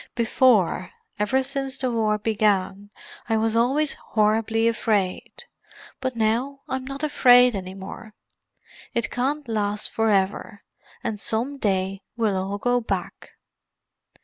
Before—ever since the war began—I was always horribly afraid, but now I'm not afraid any more. It can't last for ever; and some day we'll all go back."